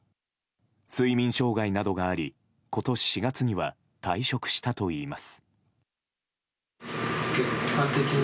睡眠障害などがあり今年４月には退職したといいます。